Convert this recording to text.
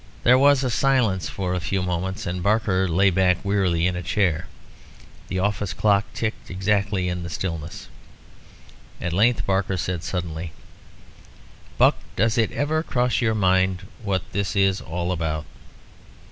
There was a silence for a few moments, and Barker lay back wearily in a chair. The office clock ticked exactly in the stillness. At length Barker said suddenly "Buck, does it ever cross your mind what this is all about?